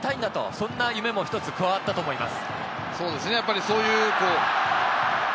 そんな夢も一つ加わったと思います。